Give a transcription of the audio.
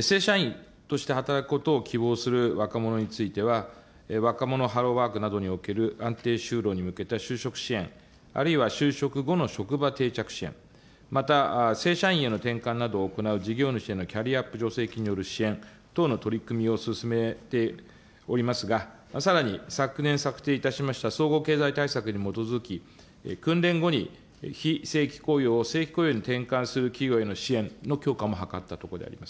正社員として働くことを希望する若者については、若者ハローワークなどにおける安定就労に向けた就職支援、あるいは就職後の職場定着支援、また正社員への転換などを行う事業主へのキャリアアップ助成金への支援等の取り組みを進めておりますが、さらに昨年策定いたしました総合経済対策に基づき、訓練後に非正規雇用を正規雇用に転換する企業への支援の強化も図ったところでございます。